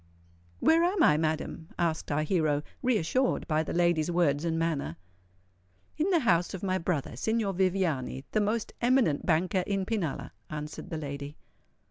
"Where am I, madam?" asked our hero, reassured by the lady's words and manner. "In the house of my brother, Signor Viviani, the most eminent banker in Pinalla," answered the lady.